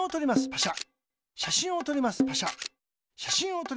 パシャ。